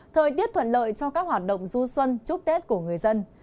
thời tiết thuận lợi cho các hoạt động du xuân chúc tết của người dân